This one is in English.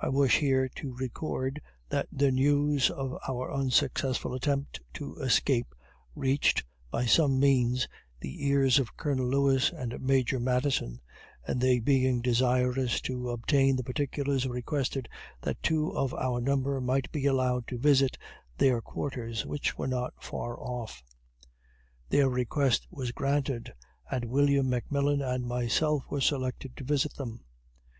I wish here to record, that the news of our unsuccessful attempt to escape reached, by some means, the ears of Colonel Lewis and Major Madison, and they being desirous to obtain the particulars, requested that two of our number might be allowed to visit their quarters, which were not far off. Their request was granted, and William McMillan and myself were selected to visit them.